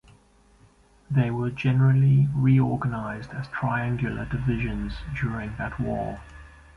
They were generally reorganized as triangular divisions during that war.